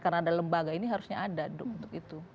karena ada lembaga ini harusnya ada untuk itu